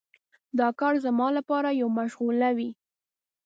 دا کار زما لپاره یوه مشغله وي.